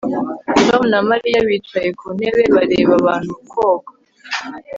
Tom na Mariya bicaye ku ntebe bareba abantu koga